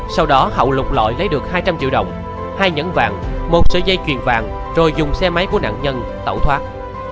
sau đó hậu lục lọi lấy được hai trăm linh triệu đồng hai nhẫn vàng một sợi dây chuyền vàng rồi dùng xe máy của nạn nhân tẩu thoát